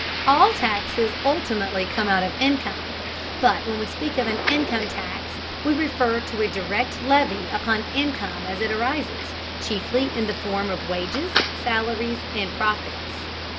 All taxes ultimately come out of income, but when we speak of an income tax we refer to a direct levy upon income as it arises, chiefly in the form of wages, salaries, and profits.